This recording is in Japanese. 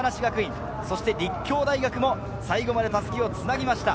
そして立教大学も最後まで襷を繋ぎました。